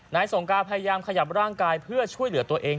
สงการพยายามขยับร่างกายเพื่อช่วยเหลือตัวเอง